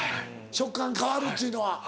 食感変わるっちゅうのは。